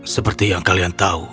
seperti yang kalian tahu